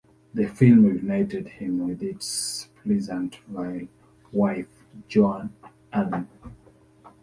The film reunited him with his "Pleasantville" wife, Joan Allen.